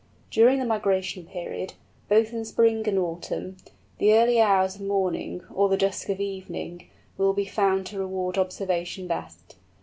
During the migration period, both in spring and autumn, the early hours of morning, or the dusk of evening, will be found to reward observation best.